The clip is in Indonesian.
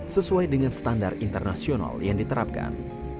sesuai dengan standar internasional yang diterapkan